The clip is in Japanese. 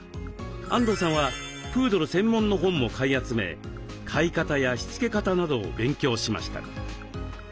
安藤さんはプードル専門の本も買い集め飼い方やしつけ方などを勉強しました。